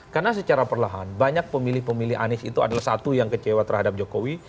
karena secara perlahan banyak pemilih pemilih anies itu adalah satu yang kecewa terhadap jokowi